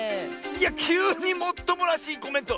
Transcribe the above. いやきゅうにもっともらしいコメント！